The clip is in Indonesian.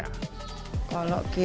kalau kita membuat manisan delima